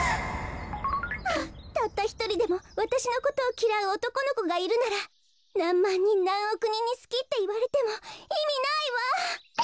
ああたったひとりでもわたしのことをきらうおとこのこがいるならなんまんにんなんおくにんに「すき」っていわれてもいみないわ！